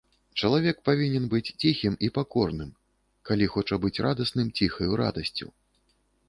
Чалавек павінен быць ціхім і пакорным, калі хоча быць радасным ціхаю радасцю.